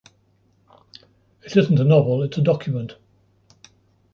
It isn’t a novel, it’s a document.